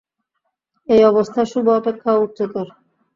এই অবস্থা শুভ অপেক্ষাও উচ্চতর।